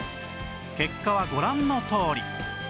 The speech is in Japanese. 結果はご覧のとおり